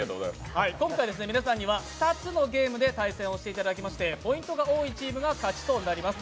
今回皆さんには２つのゲームで対戦したいただきましてポイントが多いチームが勝ちとなります。